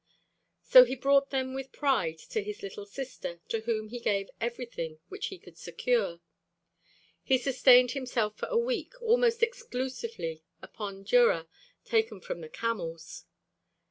So he brought them with pride to his little sister, to whom he gave everything which he could secure; he sustained himself for a week almost exclusively upon durra taken from the camels.